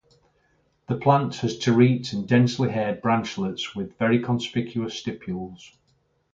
The plant has terete and densely haired branchlets with very conspicuous stipules.